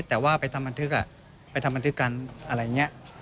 แต่ว่าไปทำบันทึกกันอะไรอย่างนี้